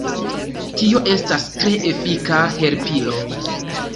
Tio estas tre efika helpilo.